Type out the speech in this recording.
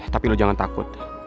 tapi lo jangan takut